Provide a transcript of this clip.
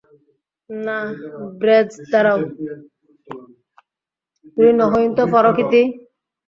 না, ব্র্যায, দাঁড়াও!